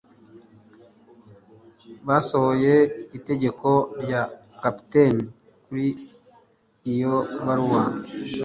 basohoye itegeko rya capitaine kuri iyo baruwa